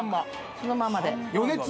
そのままで？